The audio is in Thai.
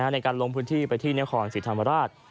ในการลงพื้นที่ไปที่เนื้อของสิทธิ์ธรรมราช